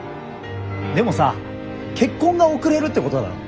でもさ結婚が遅れるってことだろ。